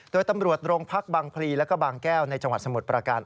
โดยตำรวจโรงพักบางพลีแล้วก็บางแก้วในจังหวัดสมุทรประการ